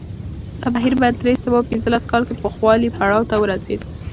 دا بهیر په درې سوه پنځلس کال کې پوخوالي پړاو ته ورسېد